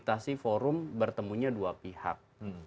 kita memfasilitasi forum bertemunya dua pihak